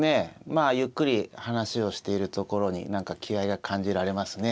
まあゆっくり話をしているところに何か気合いが感じられますね。